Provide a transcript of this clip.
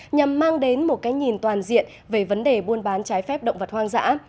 nhằm mang đến một cái nhìn toàn diện về vấn đề buôn bán trái phép động vật hoang dã